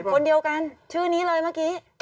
คนเดียวกันชื่อนี้เลยเมื่อกี้